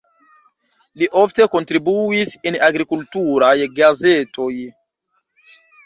Li ofte kontribuis en agrikulturaj gazetoj.